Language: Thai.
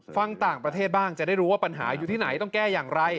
ฟังต่างประเทศบ้างจะได้รู้ว่าปัญหาอยู่ที่ไหนต้องแก้อย่างไร